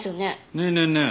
ねえねえねえ